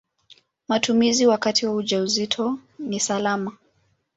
Matumizi wakati wa ujauzito ni salama.